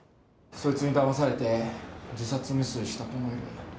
そいつにだまされて自殺未遂した子もいる。